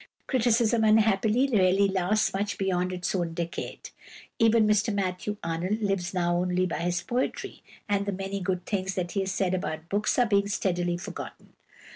Criticism unhappily rarely lasts much beyond its own decade. Even Mr Matthew Arnold lives now only by his poetry, and the many good things that he said about books are being steadily forgotten.